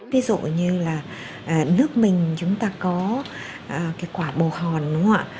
ví dụ như là nước mình chúng ta có cái quả bầu hòn đúng không ạ